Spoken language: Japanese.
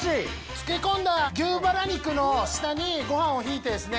漬け込んだ牛バラ肉の下にご飯を敷いてですね